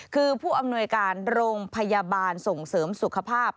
คือผู้อำนวยการโรงพยาบาลส่งเสริมสุขภาพ